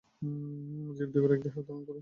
জীব দুইবার এক দেহ ধারণ করে না।